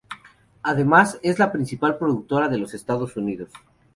Además es la principal productora de los Estados Unidos.